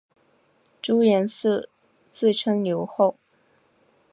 朱延嗣自称留后。